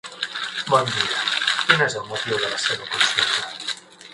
Bon dia, quin és el motiu de la seva consulta?